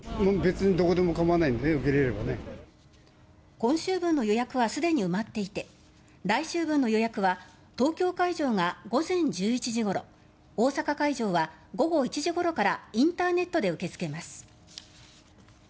今週分の予約はすでに埋まっていて来週分の予約は東京会場が午前１１時ごろ大阪会場は午後１時ごろからインターネットで受け付けます。